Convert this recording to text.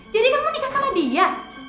jadi kamu nikah sama dia